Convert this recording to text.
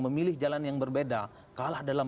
memilih jalan yang berbeda kalah dalam